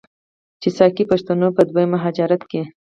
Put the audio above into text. چې ساکي پښتنو په دویم مهاجرت کې،